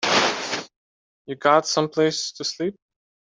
You got someplace to sleep?